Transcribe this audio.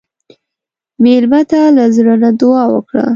مېلمه ته له زړه نه دعا وکړه.